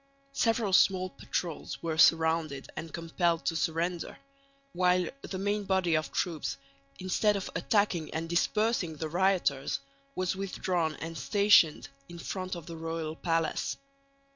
Several small patrols were surrounded and compelled to surrender, while the main body of troops, instead of attacking and dispersing the rioters, was withdrawn and stationed in front of the royal palace.